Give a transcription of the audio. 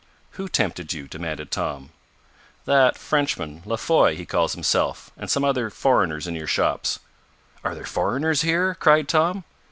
"Who tempted you?" demanded Tom. "That Frenchman La Foy, he calls himself, and some other foreigners in your shops." "Are there foreigners here?" cried Tom.